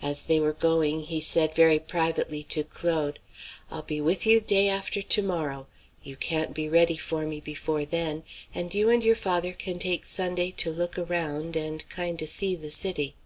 As they were going he said very privately to Claude: "I'll be with you day after to morrow. You can't be ready for me before then, and you and your father can take Sunday to look around, and kind o' see the city.